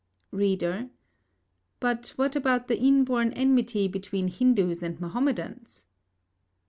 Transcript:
READER: But what about the inborn enmity between Hindus and Mahomedans?